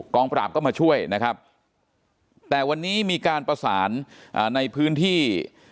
ปราบก็มาช่วยนะครับแต่วันนี้มีการประสานในพื้นที่